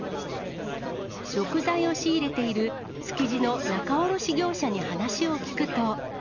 食材を仕入れている築地の仲卸業者に話を聞くと。